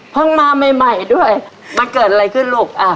มาใหม่ด้วยมันเกิดอะไรขึ้นลูก